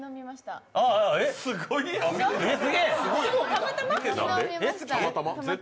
たまたま。